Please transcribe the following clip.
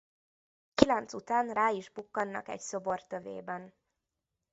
Kilenc után rá is bukkannak egy szobor tövében.